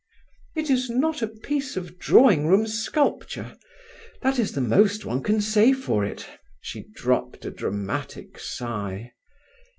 "It is not a piece of drawing room sculpture: that is the most one can say for it!" she dropped a dramatic sigh.